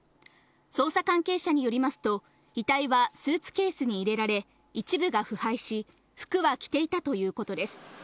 捜査関係者によりますと、遺体はスーツケースに入れられ、一部が腐敗し、服は着ていたということです。